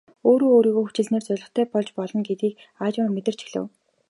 Өөрөө өөрийгөө хүчилснээр зорилготой болж болно гэдгийг аажмаар мэдэрч эхлэв.